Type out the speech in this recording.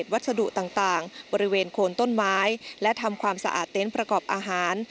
วัสดุต่างบริเวณโคนต้นไม้และทำความสะอาดเต็นต์ประกอบอาหาร